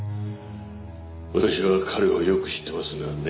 私は彼をよく知ってますがね